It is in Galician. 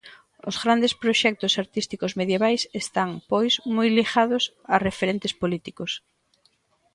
Os grandes proxectos artísticos medievais están, pois, moi ligados a referentes políticos.